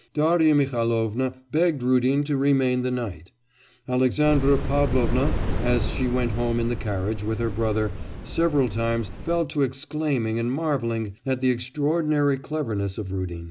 Darya Mihailovna begged Rudin to remain the night. Alexandra Pavlovna, as she went home in the carriage with her brother, several times fell to exclaiming and marvelling at the extraordinary cleverness of Rudin.